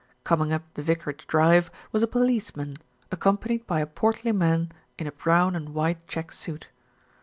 Coming up the vicarage drive was a policeman, accompanied by a portly man in a brown and white check suit.